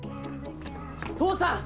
父さん！